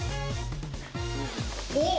おっ！